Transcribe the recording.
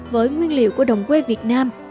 với nguyên liệu của đồng quê việt nam